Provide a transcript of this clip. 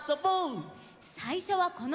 さいしょはこのうた！